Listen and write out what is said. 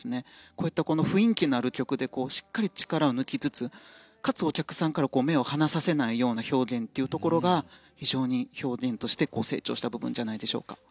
こういった雰囲気のある曲でしっかり力を抜きつつかつ、お客さんから目を離させないような表現というところが非常に表現として成長した部分じゃないでしょうか。